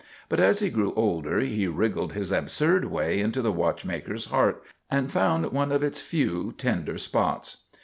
But as he grew older he wriggled his absurd way into the watchmaker's heart and found one of its few tender spots.